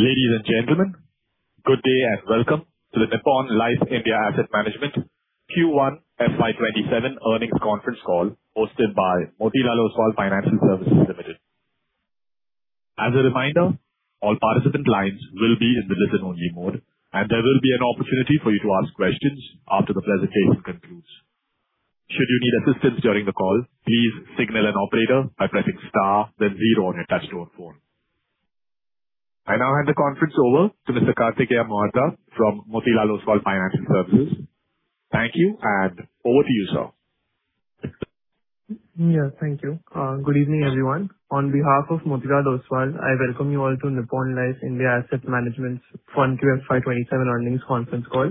Ladies and gentlemen, good day and welcome to the Nippon Life India Asset Management Q1 FY 2027 earnings conference call hosted by Motilal Oswal Financial Services Limited. As a reminder, all participant lines will be in the listen-only mode, and there will be an opportunity for you to ask questions after the presentation concludes. Should you need assistance during the call, please signal an operator by pressing star then zero on your touch-tone phone. I now hand the conference over to Mr. Kartik A. Mohata from Motilal Oswal Financial Services. Thank you, and over to you, sir. Thank you. Good evening, everyone. On behalf of Motilal Oswal, I welcome you all to Nippon Life India Asset Management's Q1 FY 2027 earnings conference call.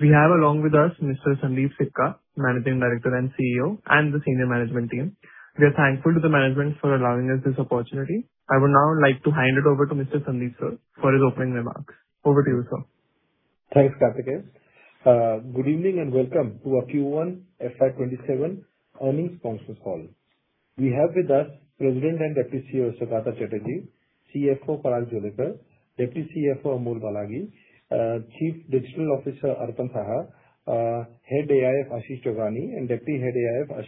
We have along with us Mr. Sundeep Sikka, Managing Director and CEO, and the senior management team. We are thankful to the management for allowing us this opportunity. I would now like to hand it over to Mr. Sundeep Sir for his opening remarks. Over to you, sir. Thanks, Kartik. Good evening and welcome to our Q1 FY 2027 earnings conference call. We have with us President and Deputy CEO, Saugata Chatterjee; CFO, Parag Joglekar; Deputy CFO, Amol Bilagi; Chief Digital Officer, Arpan Saha; Head AIF, Ashish Chugani; and Deputy Head AIF,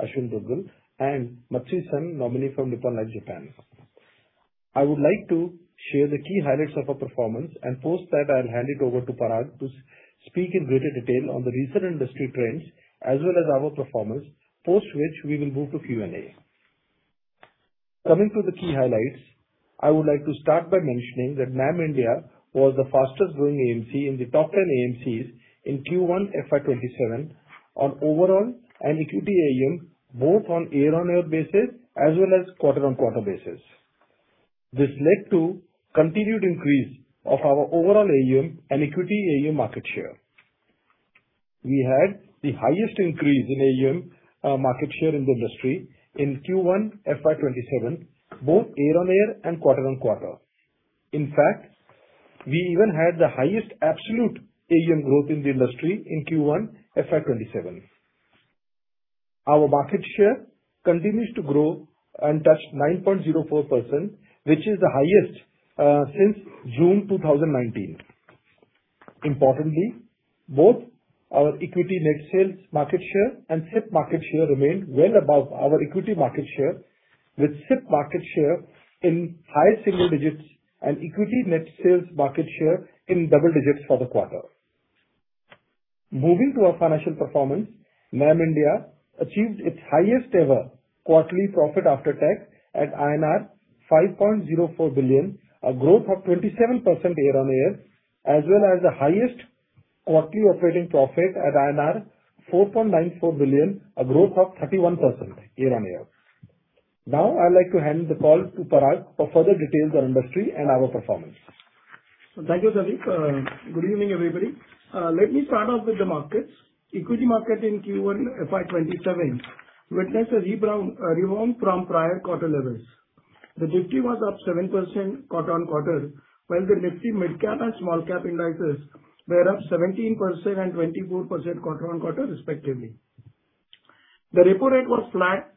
Aashwin Dugal; and Matsui-san, nominee from Nippon Life Japan. I would like to share the key highlights of our performance, and post that, I'll hand it over to Parag to speak in greater detail on the recent industry trends as well as our performance. Post which, we will move to Q&A. Coming to the key highlights, I would like to start by mentioning that NAM India was the fastest-growing AMC in the top 10 AMCs in Q1 FY 2027 on overall and equity AUM, both on year-on-year basis as well as quarter-on-quarter basis. This led to continued increase of our overall AUM and equity AUM market share. We had the highest increase in AUM market share in the industry in Q1 FY 2027, both year-on-year and quarter-on-quarter. In fact, we even had the highest absolute AUM growth in the industry in Q1 FY 2027. Our market share continues to grow and touch 9.04%, which is the highest since June 2019. Importantly, both our equity net sales market share and SIP market share remained well above our equity market share. With SIP market share in high single digits and equity net sales market share in double digits for the quarter. Moving to our financial performance, NAM India achieved its highest ever quarterly profit after tax at INR 5.04 billion, a growth of 27% year-on-year, as well as the highest quarterly operating profit at INR 4.94 billion, a growth of 31% year-on-year. I would like to hand the call to Parag for further details on industry and our performance. Thank you, Sundeep. Good evening, everybody. Let me start off with the markets. Equity market in Q1 FY 2027 witnessed a rebound from prior quarter levels. The Nifty 50 was up 7% quarter-on-quarter, while the Nifty Midcap and Small cap indices were up 17% and 24% quarter-on-quarter respectively. The repo rate was flat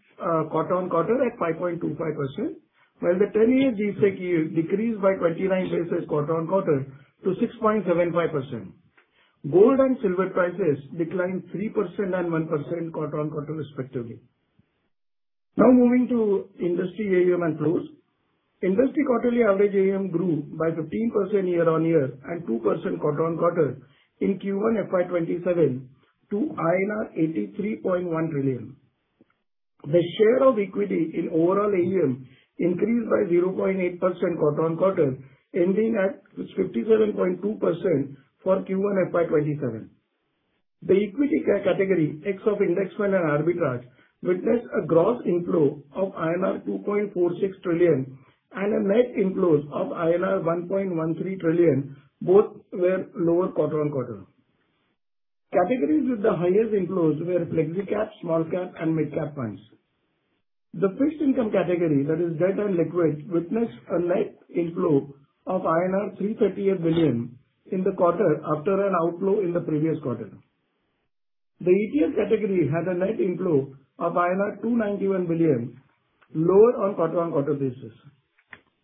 quarter-on-quarter at 5.25%, while the 10-year G-Sec yield decreased by 29 basis quarter-on-quarter to 6.75%. Gold and silver prices declined 3% and 1% quarter-on-quarter respectively. Moving to industry AUM and flows. Industry quarterly average AUM grew by 15% year-on-year and 2% quarter-on-quarter in Q1 FY 2027 to INR 83.1 trillion. The share of equity in overall AUM increased by 0.8% quarter-on-quarter, ending at 57.2% for Q1 FY 2027. The equity category, ex of index funds and arbitrage, witnessed a gross inflow of INR 2.46 trillion and a net inflows of INR 1.13 trillion. Both were lower quarter-on-quarter. Categories with the highest inflows were Flexi Cap, Small Cap, and Mid Cap funds. The fixed income category, that is debt and liquid, witnessed a net inflow of INR 338 billion in the quarter after an outflow in the previous quarter. The ETF category had a net inflow of 291 billion, lower on a quarter-on-quarter basis.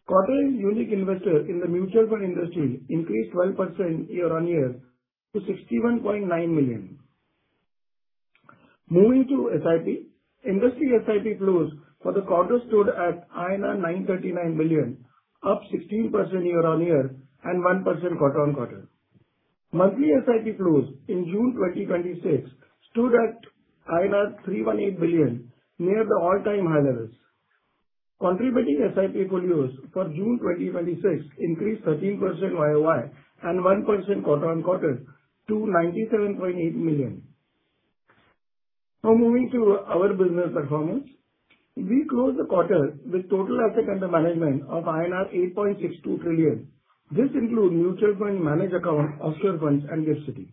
Quarterly unique investors in the mutual fund industry increased 12% year-on-year to 61.9 million. Moving to SIP. Industry SIP flows for the quarter stood at INR 939 billion, up 16% year-on-year and 1% quarter-on-quarter. Monthly SIP flows in June 2026 stood at 318 billion, near the all-time high levels. Contributing SIP flows for June 2026 increased 13% year-on-year and 1% quarter-on-quarter to 97.8 million. Moving to our business performance. We closed the quarter with total assets under management of INR 8.62 trillion. This includes mutual fund managed accounts, offshore funds, and AIFs.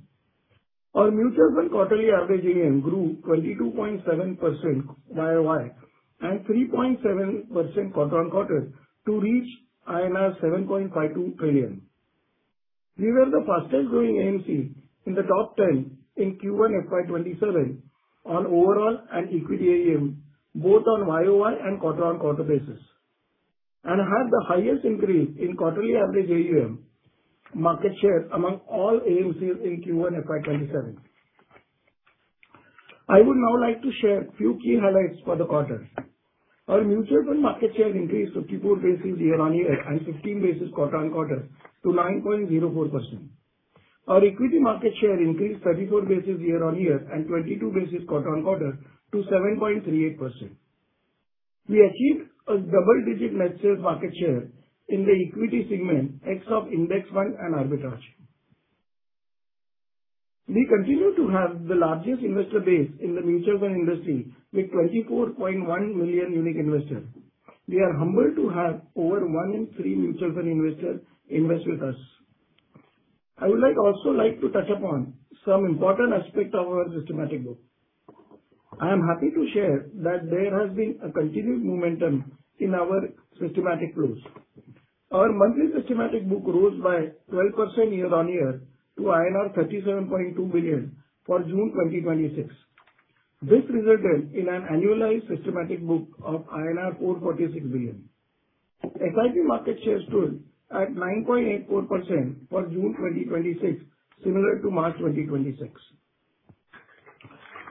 Our mutual fund quarterly average AUM grew 22.7% year-on-year and 3.7% quarter-on-quarter to reach INR 7.52 trillion. We were the fastest growing AMC in the top 10 in Q1 FY 2027 on overall and equity AUM, both on year-on-year and quarter-on-quarter basis, and had the highest increase in quarterly average AUM market share among all AMCs in Q1 FY 2027. I would now like to share a few key highlights for the quarter. Our mutual fund market share increased 54 basis year-on-year and 15 basis quarter-on-quarter to 9.04%. Our equity market share increased 34 basis year-on-year and 22 basis quarter-on-quarter to 7.38%. We achieved a double-digit net sales market share in the equity segment, ex of index fund and arbitrage. We continue to have the largest investor base in the mutual fund industry with 24.1 million unique investors. We are humbled to have over one in three mutual fund investors invest with us. I would also like to touch upon some important aspects of our systematic book. I am happy to share that there has been a continued momentum in our systematic flows. Our monthly systematic book rose by 12% year-on-year to INR 37.2 billion for June 2026. This resulted in an annualized systematic book of INR 446 billion. SIP market share stood at 9.84% for June 2026, similar to March 2026.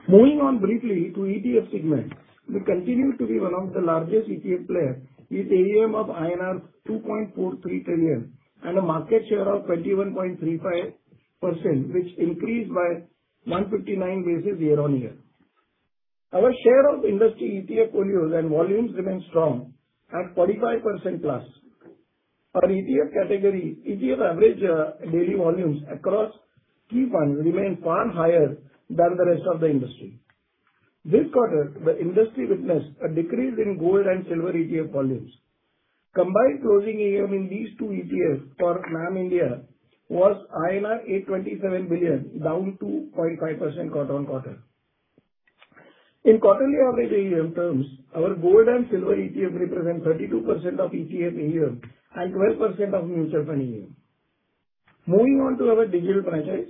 Moving on briefly to ETF segment. We continue to be one of the largest ETF players with AUM of INR 2.43 trillion and a market share of 21.35%, which increased by 159 basis points year-on-year. Our share of industry ETF volumes remains strong at 45%+. Our ETF category, ETF average daily volumes across key funds remain far higher than the rest of the industry. This quarter, the industry witnessed a decrease in gold and silver ETF volumes. Combined closing AUM in these two ETFs for NAM India was INR 827 billion, down 2.5% quarter-on-quarter. In quarterly average AUM terms, our gold and silver ETF represent 32% of ETF AUM and 12% of mutual fund AUM. Moving on to our digital franchise.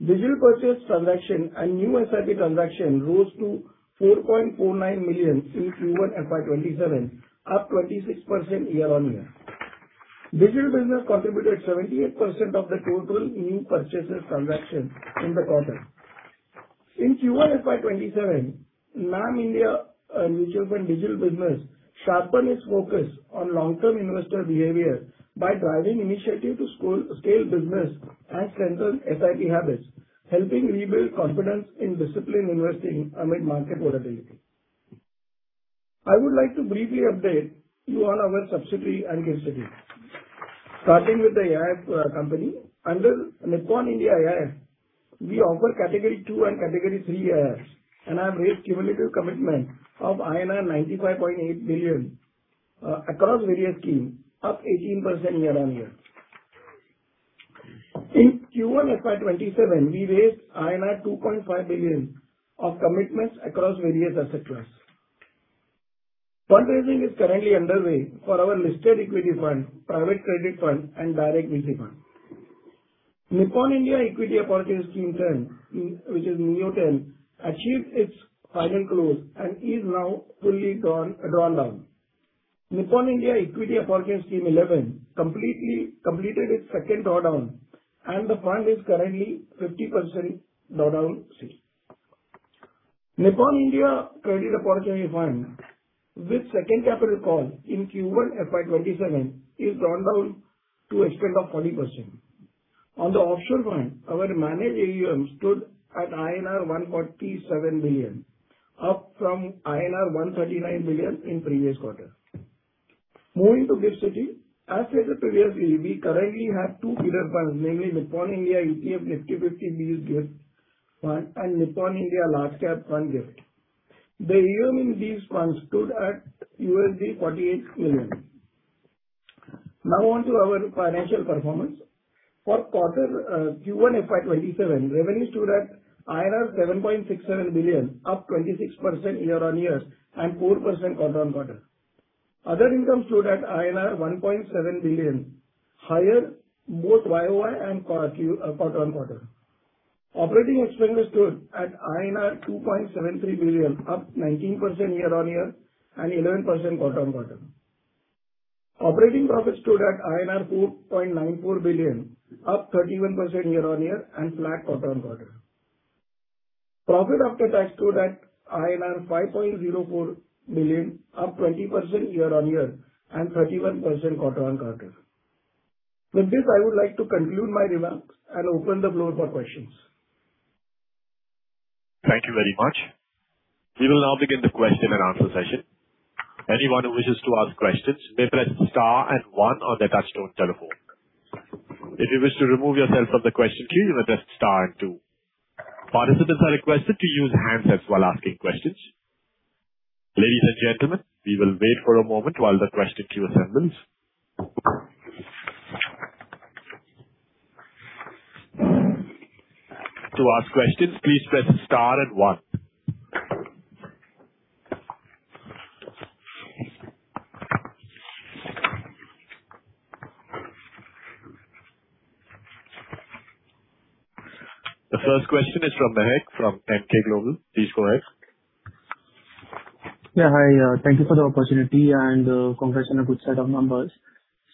Digital purchase transaction and new SIP transaction rose to 4.49 million in Q1 FY 2027, up 26% year-on-year. Digital business contributed 78% of the total new purchases transaction in the quarter. In Q1 FY 2027, NAM India Mutual Fund digital business sharpened its focus on long-term investor behavior by driving initiatives to scale business and central SIP habits, helping rebuild confidence in disciplined investing amid market volatility. I would like to briefly update you on our subsidiary and GIFT City. Starting with the AIF company. Under Nippon India AIF, we offer Category two and Category three AIFs and have raised cumulative commitment of INR 95.8 billion across various schemes, up 18% year-on-year. In Q1 FY 2027, we raised INR 2.5 billion of commitments across various asset classes. Fundraising is currently underway for our listed equity fund, private credit fund and direct mutual fund. Nippon India Equity Opportunities Scheme 10, which is NIEO 10, achieved its final close and is now fully drawn down. Nippon India Equity Opportunities Scheme 11 completed its second drawdown, and the fund is currently 50% drawdown seen. Nippon India Credit Opportunities Fund with second capital call in Q1 FY 2027 is drawn down to extent of 40%. On the offshore front, our managed AUM stood at INR 147 billion, up from INR 139 billion in previous quarter. Moving to GIFT City. As stated previously, we currently have two feeder funds, namely Nippon India ETF Nifty 50 BeES GIFT and Nippon India Large Cap Fund GIFT. The AUM in these funds stood at $48 million. Now on to our financial performance. For quarter Q1 FY 2027, revenue stood at 7.67 billion, up 26% year-on-year and 4% quarter-on-quarter. Other income stood at INR 1.7 billion, higher both YOY and quarter-on-quarter. Operating expenses stood at INR 2.73 billion, up 19% year-on-year and 11% quarter-on-quarter. Operating profit stood at INR 4.94 billion, up 31% year-on-year and flat quarter-on-quarter. Profit after tax stood at INR 5.04 billion, up 20% year-on-year and 31% quarter-on-quarter. With this, I would like to conclude my remarks and open the floor for questions. Thank you very much. We will now begin the question and answer session. Anyone who wishes to ask questions may press star and one on their touch-tone telephone. If you wish to remove yourself from the question queue, you may press star and two. Participants are requested to use handsets while asking questions. Ladies and gentlemen, we will wait for a moment while the question queue assembles. To ask questions, please press star and one. The first question is from Vahik, from techUK Global. Please go ahead. Hi, thank you for the opportunity and congrats on a good set of numbers.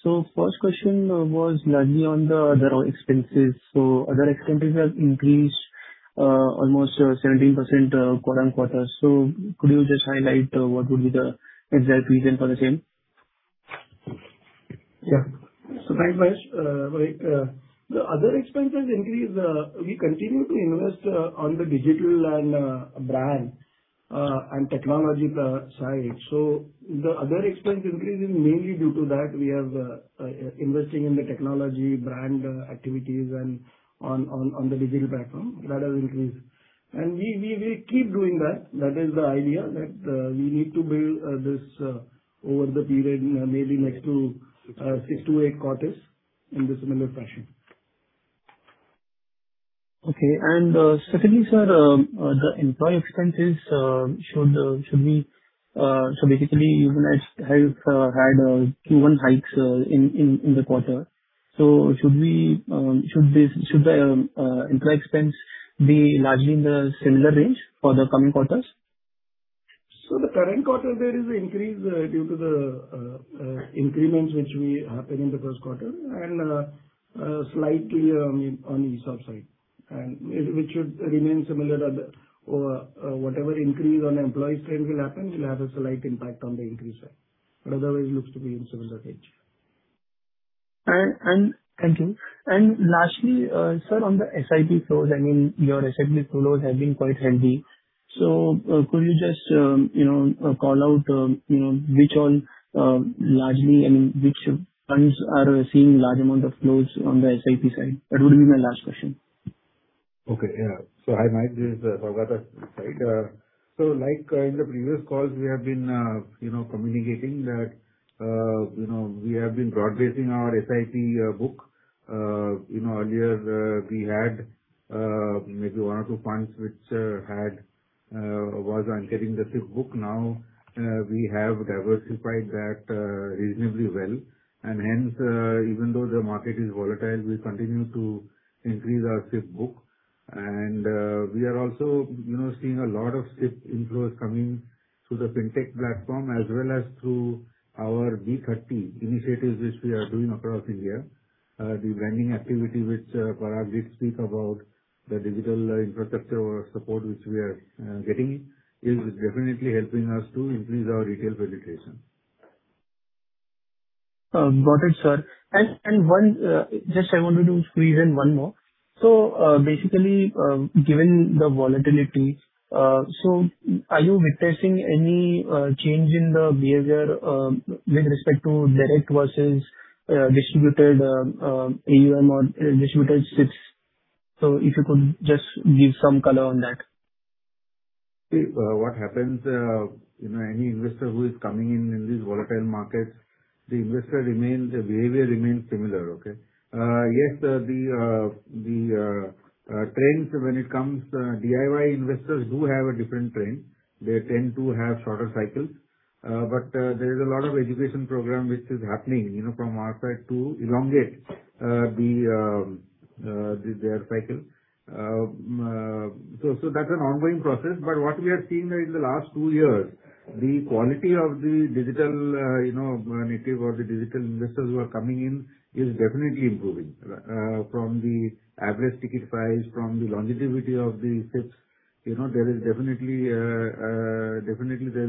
First question was largely on the other expenses. Other expenses have increased almost 17% quarter-on-quarter. Could you just highlight what would be the exact reason for the same? Thanks, Vahik. The other expenses increase, we continue to invest on the digital and brand and technology side. The other expense increase is mainly due to that. We are investing in the technology brand activities and on the digital platform. That has increased. We keep doing that. That is the idea that we need to build this over the period, maybe next six to eight quarters in the similar fashion. Secondly, sir, the employee expenses even as you've had Q1 hikes in the quarter. Should the employee expense be largely in the similar range for the coming quarters? The current quarter, there is an increase due to the increments which happen in the first quarter and slightly on ESOP side, which should remain similar. Whatever increase on employee strength will happen will have a slight impact on the increase side, but otherwise looks to be in similar range. Thank you. Lastly, sir, on the SIP flows, your SIP flows have been quite healthy. Could you just call out which funds are seeing large amount of flows on the SIP side? That would be my last question. Okay. Yeah. Hi, Vahik, this is Bhargava's side. Like in the previous calls, we have been communicating that we have been broad-basing our SIP book. Earlier, we had maybe one or two funds which was on getting the SIP book. Now we have diversified that reasonably well hence, even though the market is volatile, we continue to increase our SIP book. We are also seeing a lot of SIP inflows coming through the FinTech platform as well as through our B-30 initiatives which we are doing across India. The branding activity which Parag did speak about, the digital infrastructure or support which we are getting, is definitely helping us to increase our retail penetration. Got it, sir. Just I wanted to squeeze in one more. Basically, given the volatility, are you witnessing any change in the behavior with respect to direct versus distributed AUM or distributed SIPs? If you could just give some color on that. What happens, any investor who is coming in in these volatile markets, the investor behavior remains similar. Okay? Yes, the trends when it comes, DIY investors do have a different trend. They tend to have shorter cycles. There is a lot of education program which is happening from our side to elongate their cycle. That's an ongoing process. What we have seen in the last two years, the quality of the digital native or the digital investors who are coming in is definitely improving. From the average ticket size, from the longevity of the SIPs, definitely there's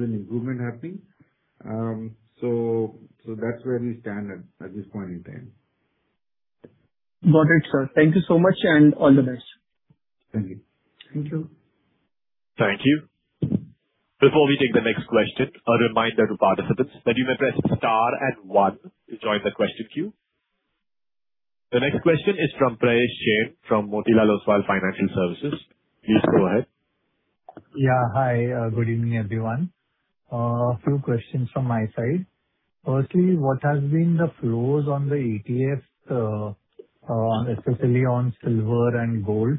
an improvement happening. That's where we stand at this point in time. Got it, sir. Thank you so much, and all the best. Thank you. Thank you. Thank you. Before we take the next question, a reminder to participants that you may press star and one to join the question queue. The next question is from Prayesh Jain from Motilal Oswal Financial Services. Please go ahead. Hi. Good evening, everyone. A few questions from my side. Firstly, what has been the flows on the ETFs, especially on silver and gold?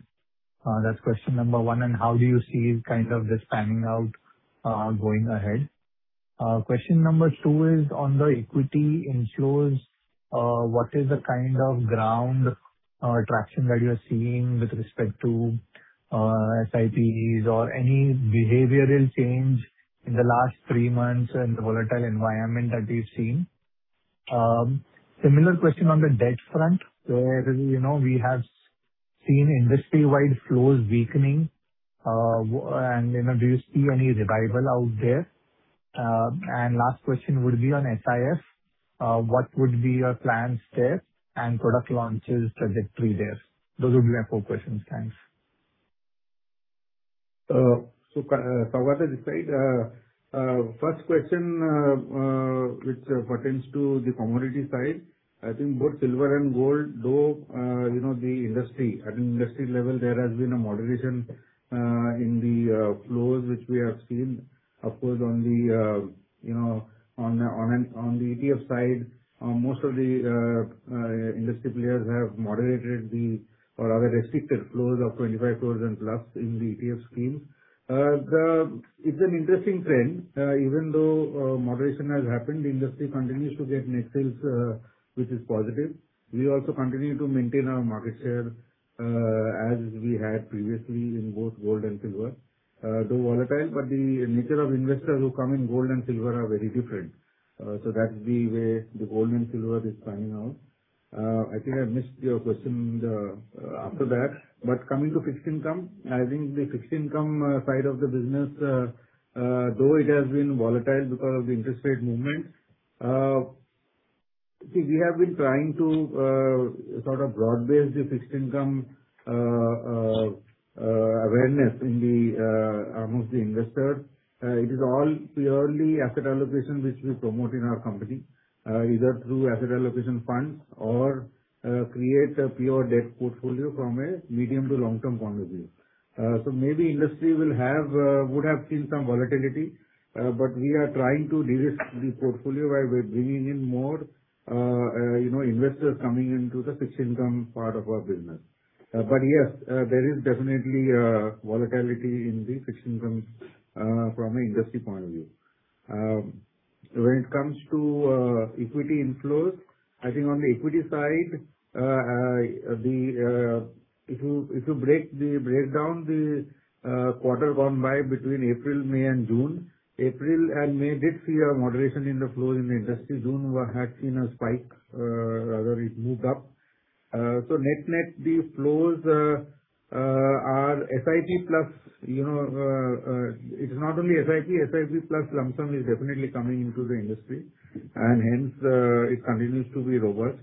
That's question number one. How do you see kind of this panning out going ahead? Question number two is on the equity inflows. What is the kind of ground or traction that you're seeing with respect to SIPs or any behavioral change in the last three months in the volatile environment that we've seen? Similar question on the debt front, where we have seen industry-wide flows weakening. Do you see any revival out there? Last question would be on SIF. What would be your plans there and product launches trajectory there? Those would be my four questions. Thanks. Bhargava this side. First question which pertains to the commodity side. I think both silver and gold, though at an industry level, there has been a moderation in the flows which we have seen. Of course, on the ETF side, most of the industry players have moderated or rather restricted flows of 25 and plus in the ETF scheme. It's an interesting trend. Even though moderation has happened, the industry continues to get net sales, which is positive. We also continue to maintain our market share as we had previously in both gold and silver, though volatile. The nature of investors who come in gold and silver are very different. That's the way the gold and silver is panning out. I think I missed your question after that. Coming to fixed income, I think the fixed income side of the business, though it has been volatile because of the interest rate movements. We have been trying to sort of broad-base the fixed income awareness amongst the investors. It is all purely asset allocation which we promote in our company, either through asset allocation funds or create a pure debt portfolio from a medium to long-term point of view. Maybe industry would have seen some volatility, but we are trying to de-risk the portfolio by bringing in more investors coming into the fixed income part of our business. Yes, there is definitely volatility in the fixed income from an industry point of view. When it comes to equity inflows, I think on the equity side if you break down the quarter gone by between April, May and June. April and May did see a moderation in the flow in the industry. June had seen a spike, rather it moved up. Net-net, the flows are SIP plus. It is not only SIP plus lumpsum is definitely coming into the industry and hence it continues to be robust.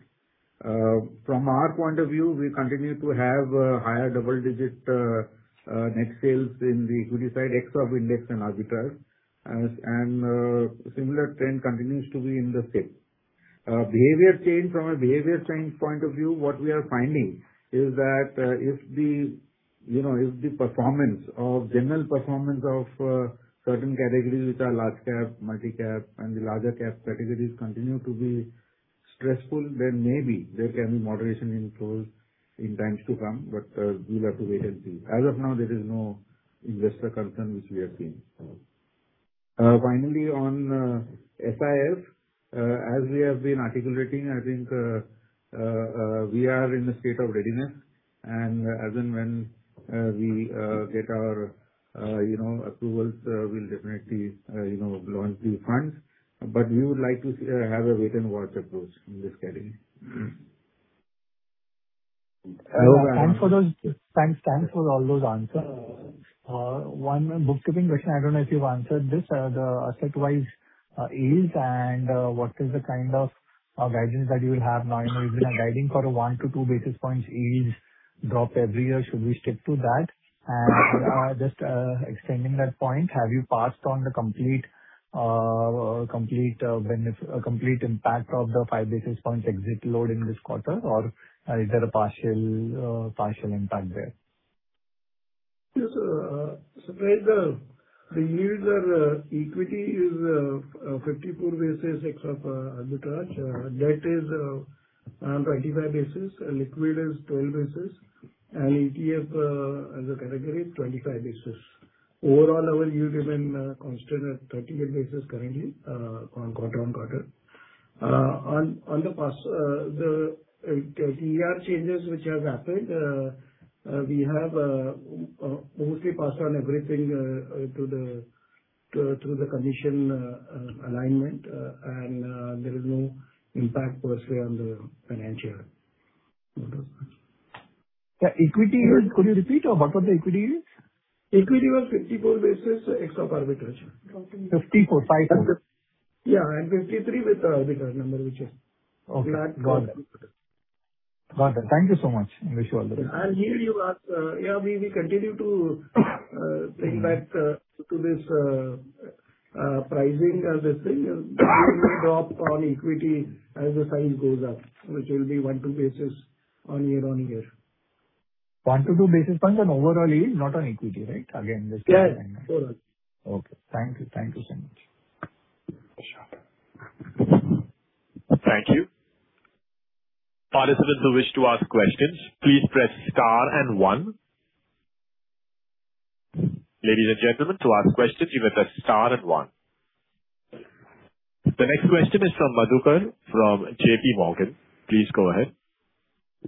From our point of view, we continue to have higher double-digit net sales in the equity side, except index and arbitrage, and similar trend continues to be in the fixed income. From a behavior change point of view, what we are finding is that if the general performance of certain categories which are large-cap, multi-cap and the larger-cap categories continue to be stressful, then maybe there can be moderation in flows in times to come but we'll have to wait and see. As of now, there is no investor concern which we are seeing. Finally, on SIFs, as we have been articulating, I think we are in a state of readiness and as and when we get our approvals, we'll definitely launch the funds. We would like to have a wait and watch approach in this category. Thanks for all those answers. One bookkeeping question, I don't know if you've answered this, the asset-wise yields and what is the kind of guidance that you will have now? You've been guiding for a 1-2 basis points yields drop every year. Should we stick to that? Just extending that point, have you passed on the complete impact of the five basis points exit load in this quarter, or is there a partial impact there? Yes. Perhaps the yields are equity is 54 basis except arbitrage. Debt is 95 basis and liquid is 12 basis and ETF as a category, 25 basis. Overall, our yield remain constant at 38 basis currently quarter-on-quarter. On the ER changes which have happened, we have mostly passed on everything through the commission alignment and there is no impact per se on the financial. The equity yields, could you repeat or what were the equity yields? Equity was 54 basis except arbitrage. Fifty-four? Yeah, 53 with arbitrage number. Okay, got it. Got it. Thank you so much. Here you ask, we continue to bring back to this pricing as a thing will drop on equity as the size goes up, which will be one, two basis on year-on-year. One to two basis points on overall yield, not on equity, right? Again, just clarifying that. Yes, correct. Okay. Thank you so much. Thank you. Participants who wish to ask questions, please press star and one. Ladies and gentlemen, to ask questions, you may press star and one. The next question is from Madhukar from JPMorgan. Please go ahead.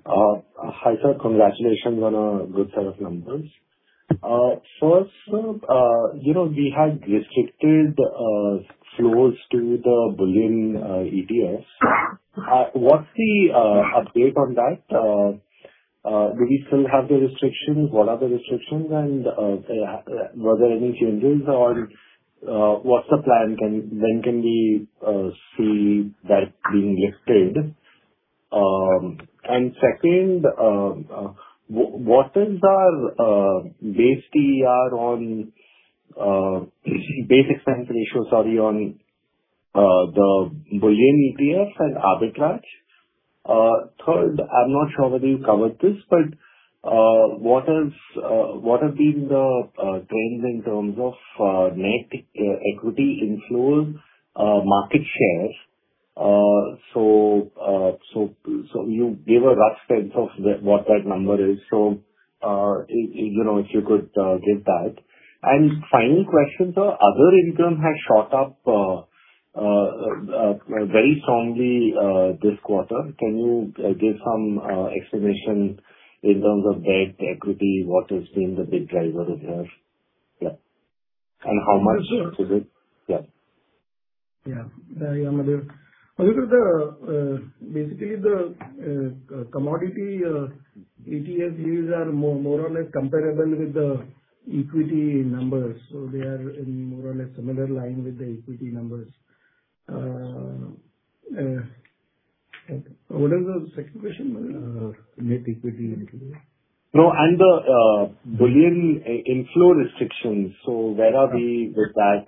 Hi, sir. Congratulations on a good set of numbers. First, we had restricted flows to the bullion ETFs. What's the update on that? Do we still have the restrictions? What are the restrictions and were there any changes or what's the plan? When can we see that being lifted? Second, what is our basic expense ratio on the bullion ETFs and arbitrage? Third, I am not sure whether you covered this, but what have been the trends in terms of net equity inflows market share? You give a rough sense of what that number is. If you could give that. Final question, sir, other income has shot up very strongly this quarter. Can you give some explanation in terms of debt, equity? What has been the big driver over there? How much is it? Madhukar, basically the commodity ETFs are more or less comparable with the equity numbers. They are in more or less similar line with the equity numbers. What is the second question? Net equity. No, the bullion inflow restrictions. Where are we with that?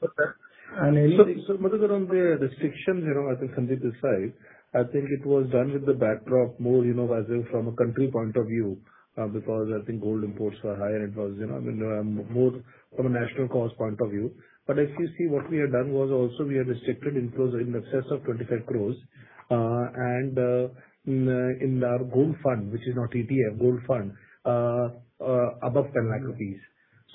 Madhukar, on the restrictions, I think Sundeep is right. I think it was done with the backdrop more as in from a country point of view, because I think gold imports were higher and it was more from a national cause point of view. If you see what we had done was also we had restricted inflows in excess of 25 crore, and in our gold fund, which is not ETF gold fund, above 10 lakh rupees.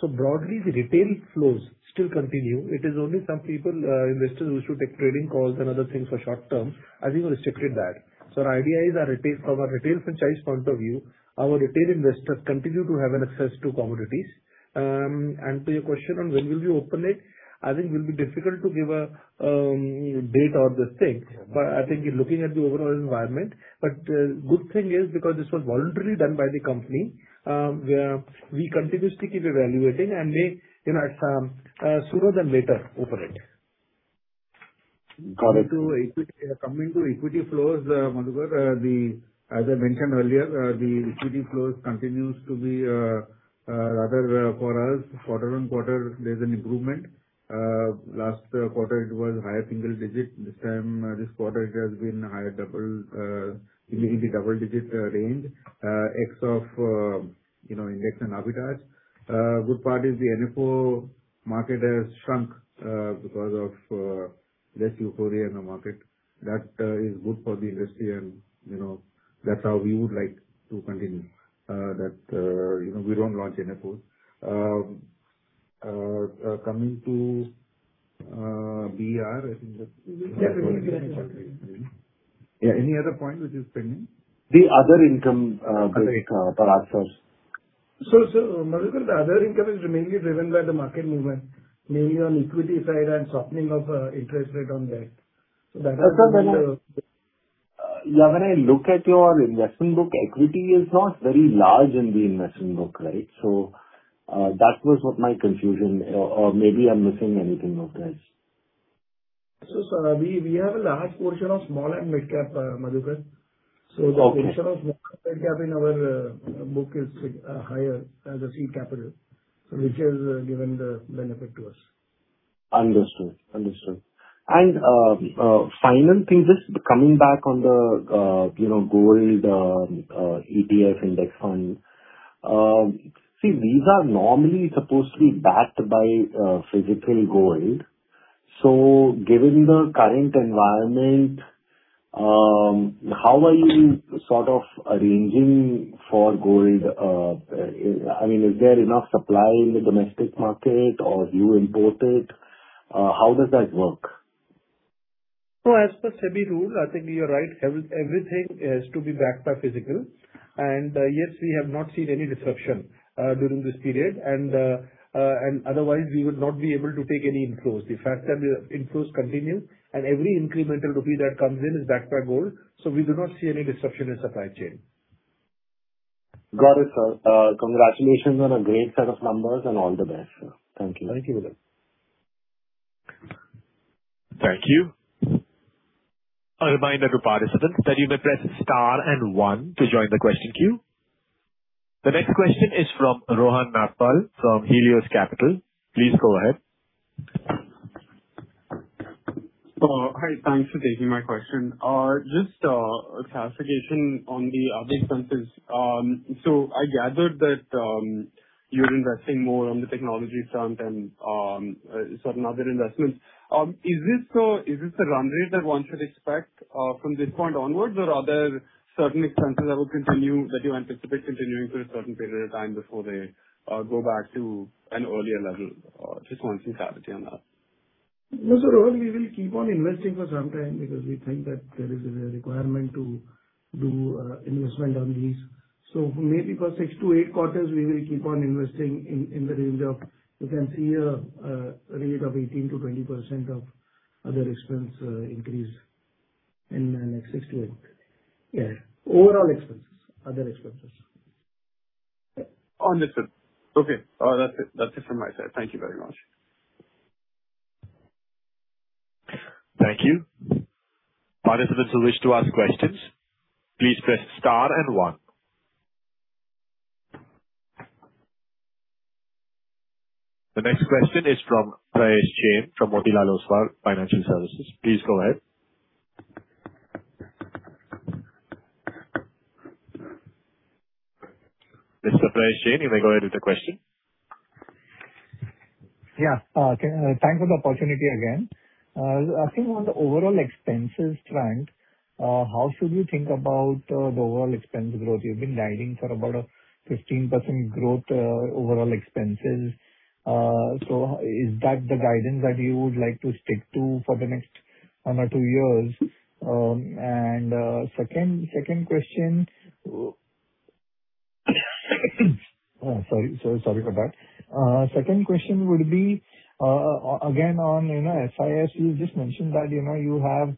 Broadly the retail flows still continue. It is only some people, investors who should take trading calls and other things for short term, I think we restricted that. Our idea is from a retail franchise point of view, our retail investors continue to have an access to commodities. To your question on when will we open it, I think it will be difficult to give a date or the thing. I think looking at the overall environment. Good thing is because this was voluntarily done by the company, we continuously keep evaluating and may sooner than later open it. Got it. Coming to equity flows, Madhukar, as I mentioned earlier, the equity flows continues to be, rather for us quarter-on-quarter there's an improvement. Last quarter it was higher single-digit. This quarter it has been in the double-digit range, ex of index and arbitrages. Good part is the NFO market has shrunk because of less euphoria in the market. That is good for the industry and that's how we would like to continue, that we don't launch NFOs. Coming to BR. Yeah. Any other point which is pending? The other income bit for assets. Madhukar, the other income is mainly driven by the market movement, mainly on equity side and softening of interest rate on debt. Yeah, when I look at your investment book, equity is not very large in the investment book, right? That was what my confusion, or maybe I'm missing anything else. Sir, we have a large portion of small and mid cap, Madhukar. Okay. The portion of mid cap in our book is higher than the C capital, so which has given the benefit to us. Understood. Final thing, just coming back on the gold ETF index fund. See, these are normally supposed to be backed by physical gold. Given the current environment, how are you sort of arranging for gold? Is there enough supply in the domestic market or do you import it? How does that work? As per SEBI rule, I think you're right, everything has to be backed by physical. Yes, we have not seen any disruption during this period. Otherwise we would not be able to take any inflows. The fact that the inflows continue and every incremental rupee that comes in is backed by gold, we do not see any disruption in supply chain. Got it, sir. Congratulations on a great set of numbers and all the best, sir. Thank you. Thank you. Thank you. A reminder to participants that you may press star and one to join the question queue. The next question is from Rohan Nagpal from Helios Capital. Please go ahead. Hi, thanks for taking my question. Just a clarification on the other expenses. I gathered that you're investing more on the technology front and certain other investments. Is this a run rate that one should expect from this point onwards or are there certain expenses that you anticipate continuing for a certain period of time before they go back to an earlier level? Just wanting some clarity on that. No, Sir Rohan, we will keep on investing for some time because we think that there is a requirement to do investment on these. Maybe for six to eight quarters, we will keep on investing in the range of, you can see a rate of 18%-20% of other expense increase in the next six to eight quarters. Yes. Overall expenses, other expenses. Understood. Okay. That's it from my side. Thank you very much. Thank you. Participants who wish to ask questions, please press star and one. The next question is from Prayesh Jain from Motilal Oswal Financial Services. Please go ahead. Mr. Prayesh Jain, you may go ahead with the question. Yeah. Thanks for the opportunity again. I think on the overall expenses trend, how should we think about the overall expense growth? You've been guiding for about a 15% growth overall expenses. Is that the guidance that you would like to stick to for the next one or two years? Sorry for that. Second question would be again on SIF. You just mentioned that you have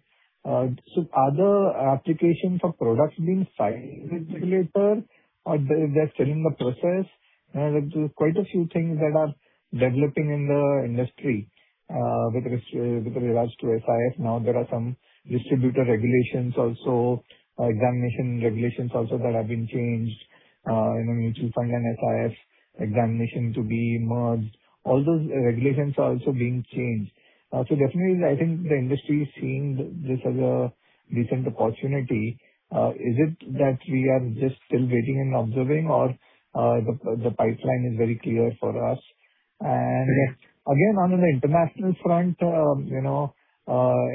other applications for products being filed with regulator are just still in the process. There's quite a few things that are developing in the industry with regards to SIF. There are some distributor regulations also, examination regulations also that have been changed. Mutual fund and SIF examination to be merged. All those regulations are also being changed. Definitely, I think the industry is seeing this as a decent opportunity. Is it that we are just still waiting and observing or the pipeline is very clear for us? Again, on the international front,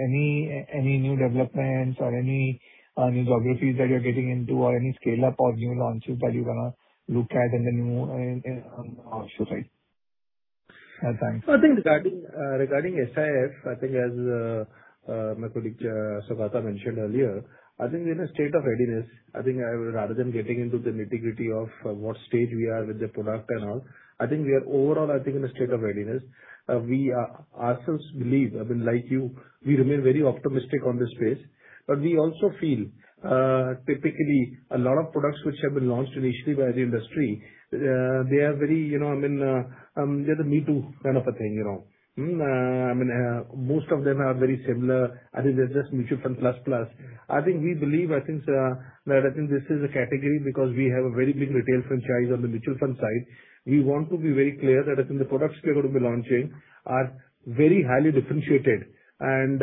any new developments or any new geographies that you're getting into or any scale-up or new launches that you're going to look at in the near future? Thanks. I think regarding SIF, I think as my colleague Saugata mentioned earlier, I think we're in a state of readiness. I think rather than getting into the nitty-gritty of what stage we are with the product and all, I think we are overall in a state of readiness. We ourselves believe, like you, we remain very optimistic on this space. We also feel typically a lot of products which have been launched initially by the industry, they're the me too kind of a thing. Most of them are very similar. I think they're just mutual fund plus. I think we believe that this is a category because we have a very big retail franchise on the mutual fund side. We want to be very clear that the products we are going to be launching are very highly differentiated and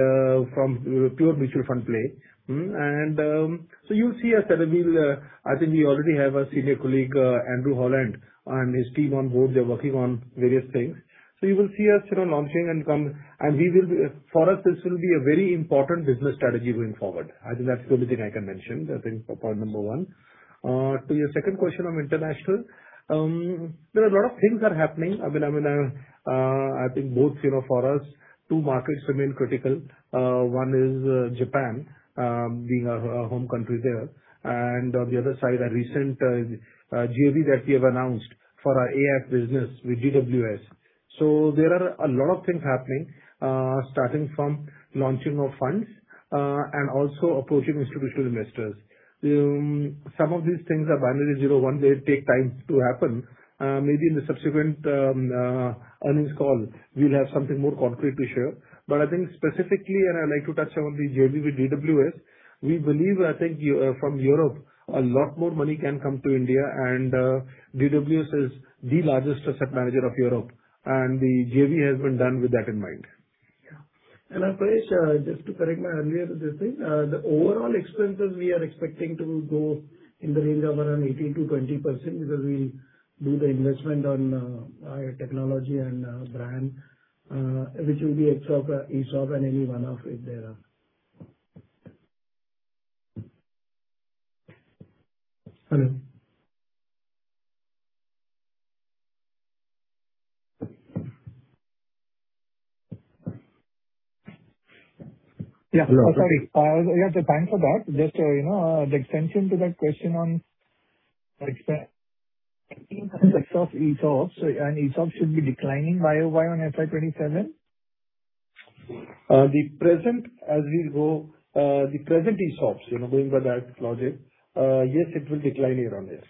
from pure mutual fund play. You'll see us. I think we already have our senior colleague, Andrew Holland, and his team on board. They're working on various things. You will see us launching and for us, this will be a very important business strategy going forward. I think that's the only thing I can mention. I think for point number one. To your second question on international, there are a lot of things are happening. I think both for us, two markets remain critical. One is Japan being our home country there, and on the other side, a recent JV that we have announced for our AIF business with DWS. There are a lot of things happening starting from launching of funds and also approaching institutional investors. Some of these things are binary, they take time to happen. Maybe in the subsequent earnings call, we'll have something more concrete to share. I think specifically, I'd like to touch on the JV with DWS, we believe from Europe a lot more money can come to India and DWS is the largest asset manager of Europe and the JV has been done with that in mind. Yeah. Parag, just to correct my earlier thing. The overall expenses we are expecting to go in the range of around 18%-20% because we do the investment on our technology and brand which will be ESOP and any one off if there are. Hello? Yeah. Sorry. Thanks for that. Just the extension to that question on ESOPs and ESOP should be declining Y-o-Y on FY 2027? As we go, the present ESOPs, going by that logic yes, it will decline year-on-year.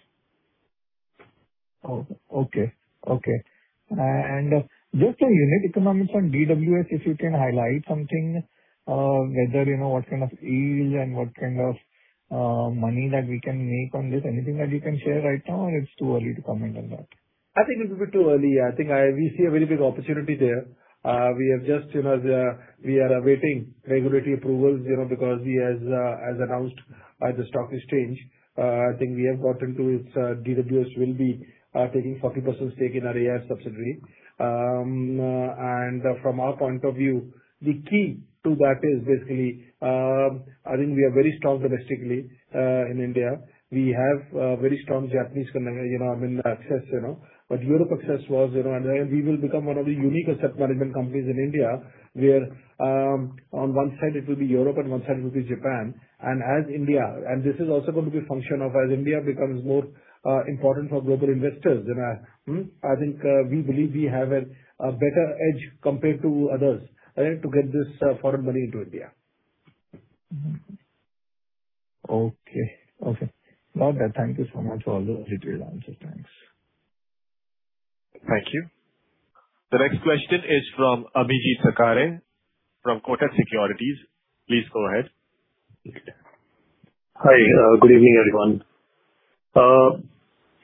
Just the unit economics on DWS, if you can highlight something, whether what kind of yield and what kind of money that we can make on this, anything that you can share right now, or it's too early to comment on that? I think it's a bit too early. I think we see a very big opportunity there. We are awaiting regulatory approvals because as announced by the stock exchange I think we have gotten to that DWS will be taking 40% stake in our AIF subsidiary. From our point of view, the key to that is basically I think we are very strong domestically in India. We have very strong Japanese access. Europe access was, and we will become one of the unique asset management companies in India, where on one side it will be Europe and one side it will be Japan and India. This is also going to be a function of as India becomes more important for global investors. I think we believe we have a better edge compared to others to get this foreign money into India. Okay. Got that. Thank you so much for all the detailed answers. Thanks. Thank you. The next question is from Abhijeet Sakhare from Kotak Securities. Please go ahead. Hi. Good evening, everyone.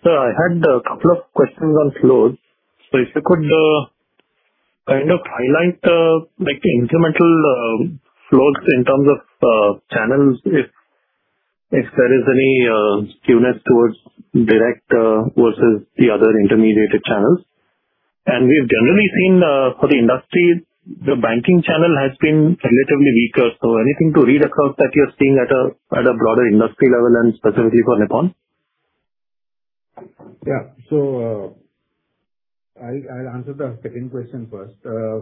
Sir, I had a couple of questions on flows. If you could highlight the incremental flows in terms of channels, if there is any skewness towards direct versus the other intermediated channels. We've generally seen for the industry, the banking channel has been relatively weaker. Anything to read across that you're seeing at a broader industry level and specifically for Nippon? Yeah. I'll answer the second question first.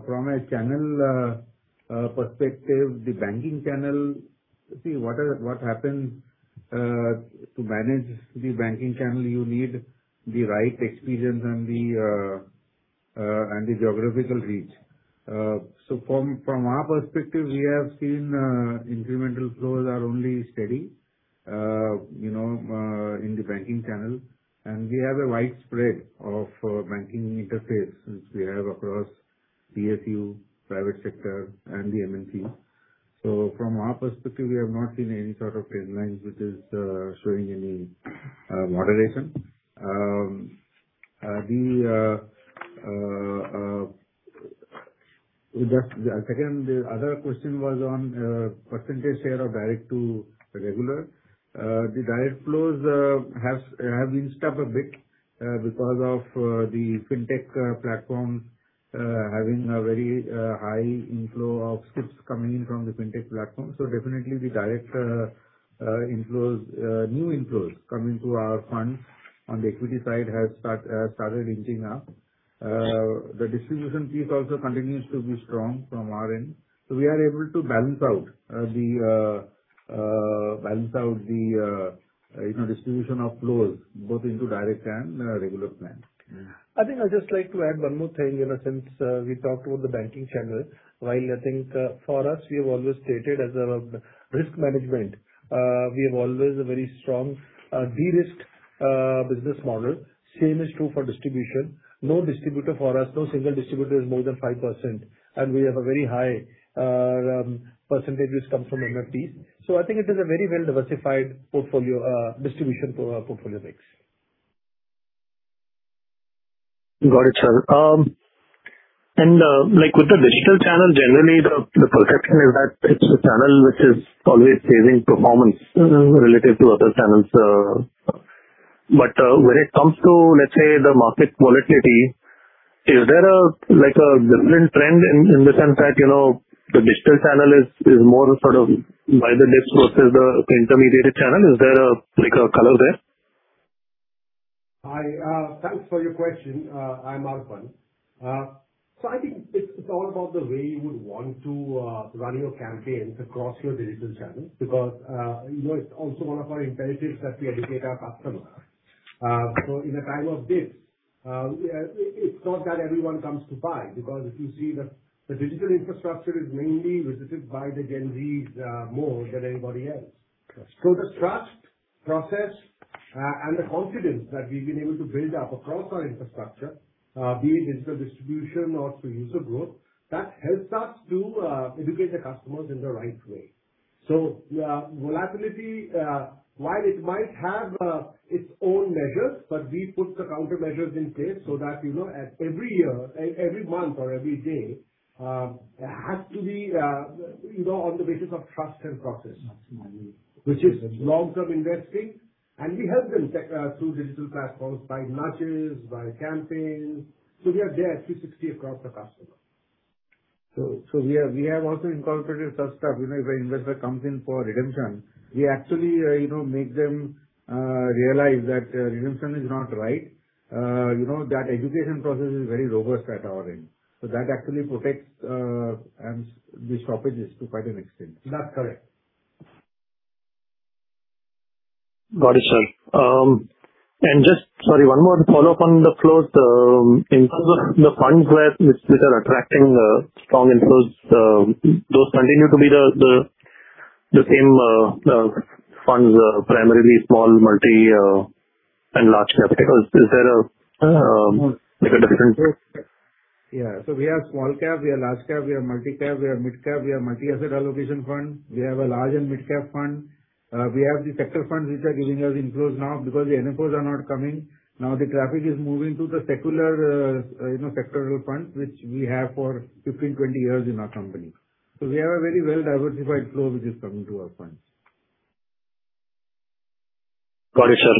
From a channel perspective, the banking channel, see what happens, to manage the banking channel, you need the right experience and the geographical reach. From our perspective, we have seen incremental flows are only steady in the banking channel. We have a widespread of banking interfaces, which we have across PSU, private sector and the MFDs. From our perspective, we have not seen any sort of trend lines which is showing any moderation. The other question was on percentage share of direct to regular. The direct flows have inched up a bit because of the fintech platforms having a very high inflow of SIPs coming in from the fintech platform. Definitely the direct inflows, new inflows coming to our funds on the equity side has started inching up. The distribution piece also continues to be strong from our end. We are able to balance out the distribution of flows both into direct and regular plan. I think I'd just like to add one more thing since we talked about the banking channel. While I think for us, we have always stated as a risk management, we have always a very strong de-risk business model. Same is true for distribution. No distributor for us, no single distributor is more than 5% and we have a very high percentage which comes from MFDs. I think it is a very well-diversified distribution for our portfolio mix. Got it, sir. With the digital channel, generally the perception is that it's a channel which is always saving performance relative to other channels. When it comes to, let's say, the market volatility, is there a different trend in the sense that the digital channel is more sort of buy the dips versus the intermediated channel? Is there a color there? Hi. Thanks for your question. I'm Arpan. I think it's all about the way you would want to run your campaigns across your digital channels because it's also one of our imperatives that we educate our customers. In a time of dips, it's not that everyone comes to buy because if you see the digital infrastructure is mainly visited by the Gen Z more than anybody else. The trust, process and the confidence that we've been able to build up across our infrastructure, be it digital distribution or through user growth, that helps us to educate the customers in the right way. Volatility while it might have its own measures, but we put the countermeasures in place so that every year, every month or every day, it has to be on the basis of trust and process. Absolutely. Which is long-term investing. We help them through digital platforms, by nudges, by campaigns. We are there 360 across the customer. We have also incorporated such stuff. If an investor comes in for redemption, we actually make them realize that redemption is not right. That education process is very robust at our end. That actually protects the stoppages to quite an extent. That's correct. Just, sorry, one more to follow up on the flows. In terms of the funds which are attracting strong inflows, those continue to be the same funds, primarily small multi and large cap? Because is there a difference? Yeah. We have small cap, we have large cap, we have multi cap, we have mid cap, we have multi-asset allocation fund. We have a large and mid cap fund. We have the sector funds which are giving us inflows now because the NFOs are not coming. Now the traffic is moving to the secular funds, which we have for 15, 20 years in our company. We have a very well-diversified flow which is coming to our funds. Got it, sir.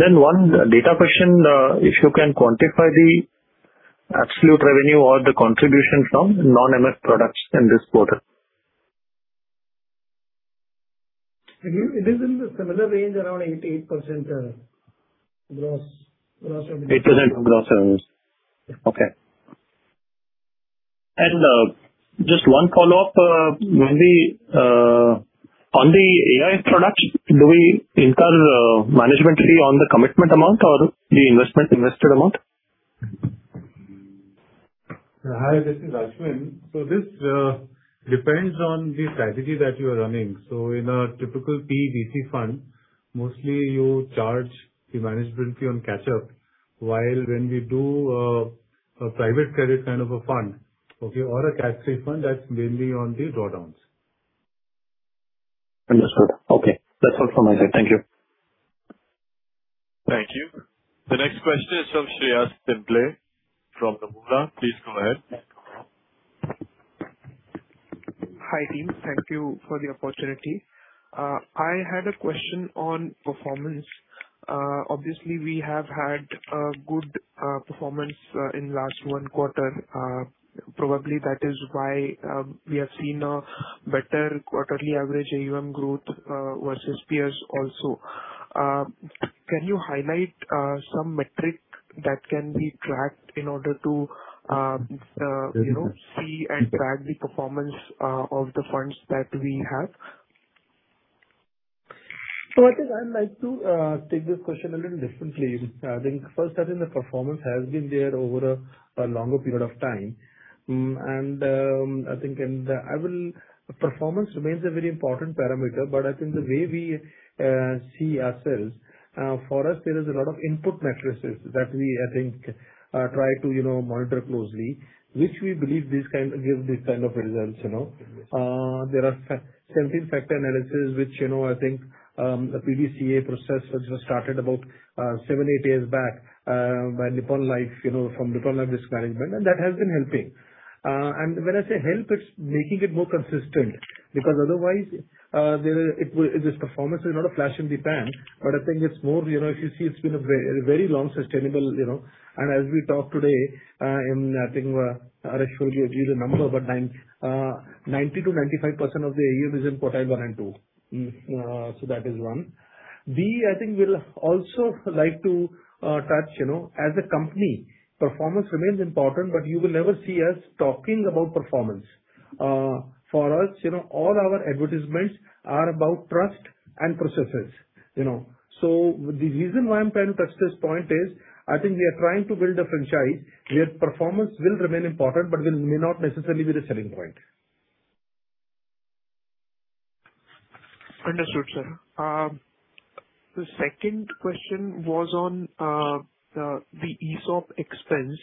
Then one data question, if you can quantify the absolute revenue or the contribution from non-MF products in this quarter. It is in the similar range, around 88% gross. 8% gross. Okay. Just one follow-up. Mainly on the AIF products, do we incur management fee on the commitment amount or the investment invested amount? Hi, this is Aashwin. This depends on the strategy that you are running. In a typical PDDC fund, mostly you charge the management fee on catch-up while when we do a private credit kind of a fund, okay, or a tax-free fund, that's mainly on the drawdowns. Understood. Okay. That's all from my side. Thank you. Thank you. The next question is from Shreyas Bhimle from The Banyan. Please go ahead. Hi, team. Thank you for the opportunity. I had a question on performance. Obviously, we have had a good performance in last one quarter. Probably that is why we have seen a better quarterly average AUM growth versus peers also. Can you highlight some metric that can be tracked in order to see and track the performance of the funds that we have? I think I'd like to take this question a little differently. I think first, that the performance has been there over a longer period of time. I think performance remains a very important parameter. I think the way we see ourselves, for us, there is a lot of input matrices that we, I think, try to monitor closely, which we believe give these kind of results. There are 17 factor analysis, which I think the PDCA process, which was started about seven, eight years back by Nippon Life from Nippon Life Risk Management. That has been helping. When I say help, it's making it more consistent because otherwise, this performance is not a flash in the pan. I think it's more, if you see it's been a very long, sustainable. As we talked today, I think Prayesh told you a number, 90%-95% of the AUM is in quartile one and two. That is one. B, I think we'll also like to touch, as a company, performance remains important, you will never see us talking about performance. For us, all our advertisements are about trust and processes. The reason why I'm trying to touch this point is I think we are trying to build a franchise where performance will remain important but may not necessarily be the selling point. Understood, sir. The second question was on the ESOP expense.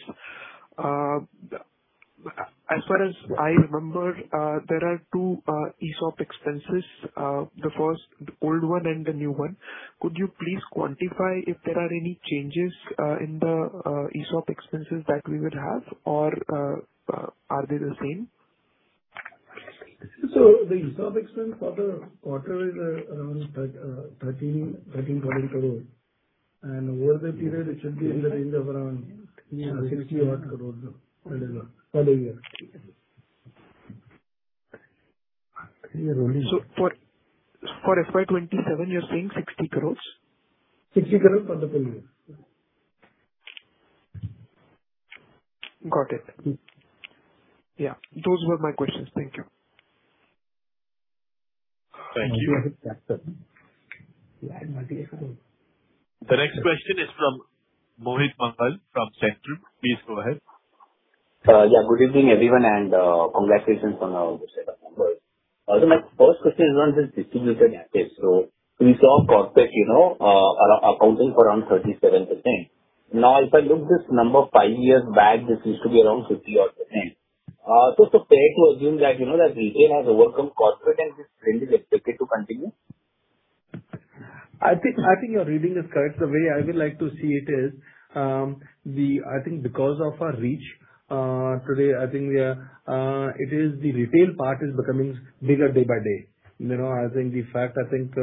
As far as I remember, there are two ESOP expenses. The first, the old one and the new one. Could you please quantify if there are any changes in the ESOP expenses that we would have or are they the same? The ESOP expense for the quarter is around 13 crore. Over the period, it should be in the range of around 60 crore per year. For FY 2027, you're saying 60 crore? 60 crore for the full year. Got it. Yeah. Those were my questions. Thank you. Thank you. The next question is from Mohit Mangal from Centrum. Please go ahead. Yeah. Good evening, everyone, and congratulations on your set of numbers. My first question is on this distributed network. We saw corporate accounting for around 37%. Now, if I look this number five years back, this used to be around 50% or 10%. It is fair to assume that retail has overcome corporate and this trend is expected to continue? I think your reading is correct. The way I would like to see it is, I think because of our reach today, I think the retail part is becoming bigger day by day. I think the fact that 100%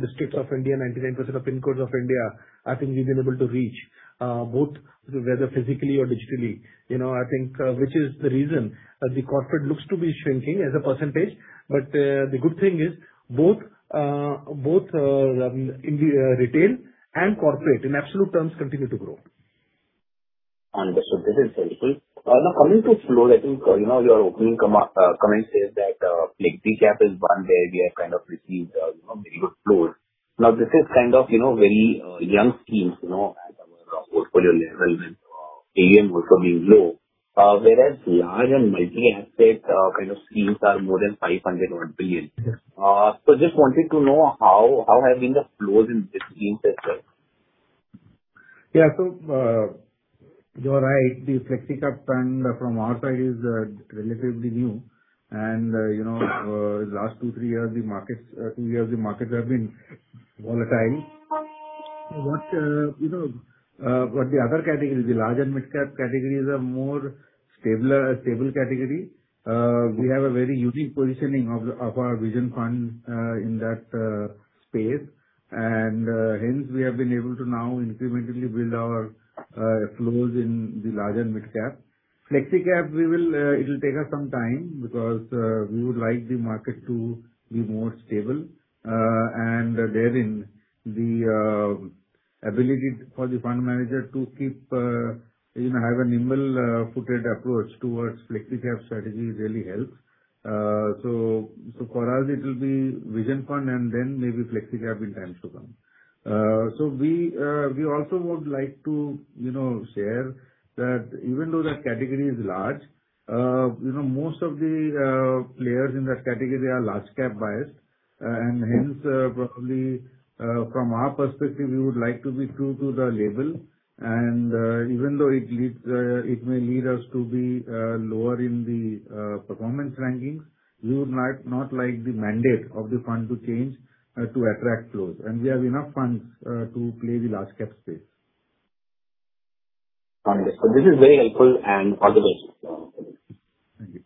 districts of India, 99% of PIN codes of India, I think we have been able to reach both whether physically or digitally. I think which is the reason that the corporate looks to be shrinking as a percentage. The good thing is both in the retail and corporate in absolute terms continue to grow. Understood. This is helpful. Coming to flows, I think your opening comment says that Flexi Cap is one where we have received very good flows. This is very young schemes at our portfolio level with AUM also being low. Whereas large and multi-asset kind of schemes are more than 500 or 1 billion. Just wanted to know how have been the flows in this scheme as well? You're right. The Flexi Cap Fund from our side is relatively new and last two, three years, the markets have been volatile. The other categories, the large and mid-cap categories are more stable category. We have a very unique positioning of our Vision Fund in that space, hence we have been able to now incrementally build our flows in the large and mid-cap. Flexi Cap, it'll take us some time because we would like the market to be more stable, and therein the ability for the fund manager to have a nimble-footed approach towards Flexi Cap strategy really helps. For us, it will be Vision Fund and then maybe Flexi Cap in times to come. We also would like to share that even though that category is large, most of the players in that category are large-cap biased. Hence probably from our perspective, we would like to be true to the label. Even though it may lead us to be lower in the performance rankings, we would not like the mandate of the fund to change to attract flows. We have enough funds to play the large-cap space. Understood. This is very helpful and all the best. Thank you.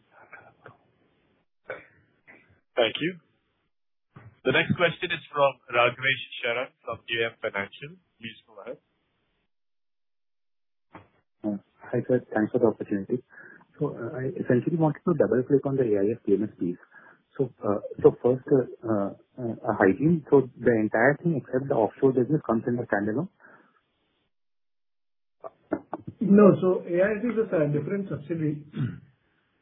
Thank you. The next question is from Ramesh Sharan from DF Financial. Please go ahead. Hi, sir. Thanks for the opportunity. I essentially wanted to double-click on the AIF PMS, please. First, hygiene. The entire thing except the offshore business comes in the standalone? No. AIF is a different subsidiary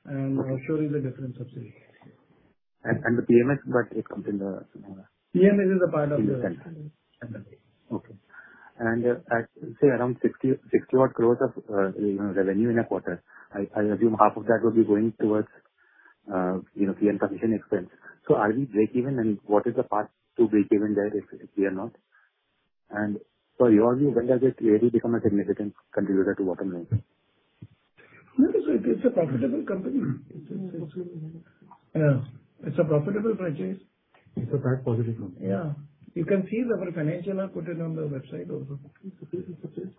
and offshore is a different subsidiary. The PMS, but it comes in the. PMS is a part of the. In the standalone. Okay. At, say around 60 crore of revenue in a quarter. I assume half of that would be going towards fee and commission expense. Are we breakeven, and what is the path to breakeven there if we are not? Sir, in your view, when does it really become a significant contributor to bottom line? No, it is a profitable company. It's a profitable franchise. Yeah. It's a profitable franchise. It's a positive number. Yeah. You can see our financials are posted on the website also. Yes, it is.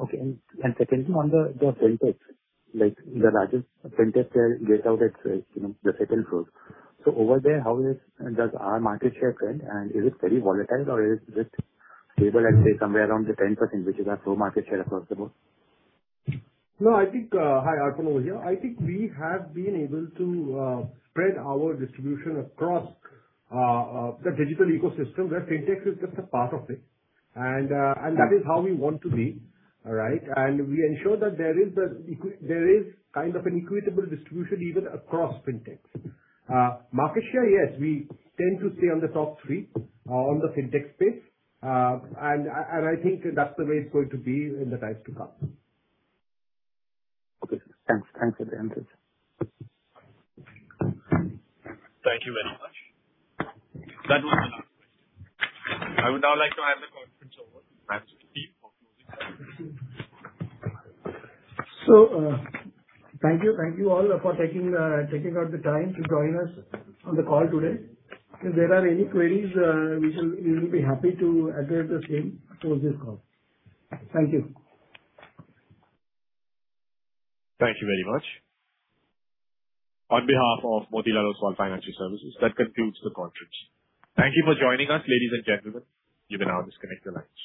Okay. Secondly, on the Fintech, like the largest Fintech player without its flows. Over there, how does our market share trend and is it very volatile or is it stable at, say, somewhere around the 10%, which is our true market share across the board? No, Hi, Arpan over here. I think we have been able to spread our distribution across the digital ecosystem where Fintech is just a part of it. That is how we want to be. All right? We ensure that there is kind of an equitable distribution even across Fintech. Market share, yes, we tend to stay on the top three on the Fintech space. I think that's the way it's going to be in the times to come. Okay, sir. Thanks for the answers. Thank you very much. That was the last question. I would now like to hand the conference over to Sundeep Sikka for closing comments. Thank you all for taking out the time to join us on the call today. If there are any queries, we will be happy to address the same post this call. Thank you. Thank you very much. On behalf of Motilal Oswal Financial Services, that concludes the conference. Thank you for joining us, ladies and gentlemen. You can now disconnect your lines.